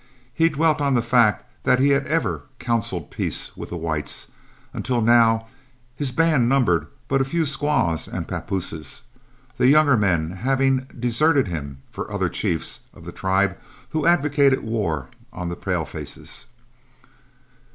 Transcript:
He dwelt on the fact that he had ever counseled peace with the whites, until now his band numbered but a few squaws and papooses, the younger men having deserted him for other chiefs of the tribe who advocated war on the palefaces.